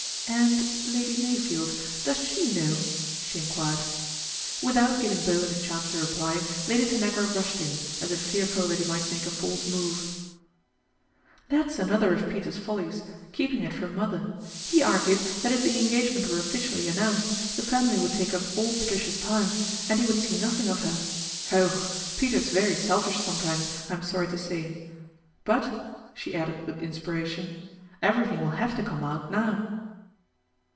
" And Lady Meyfield, does she know ?" she Inquired. I Without giving Bowen a chance to reply Lady Linagra rushed in as if fearful that he might lake a false move. That is another of Peter's follies, keeping it >m mother. He argued that if the engagement e officially announced, the family would take :> all Patricia's time, and he would see nothing of Oh ! Peter's very selfish sometimes, I am to say; but," she added with inspiration, :very thing will have to come out now."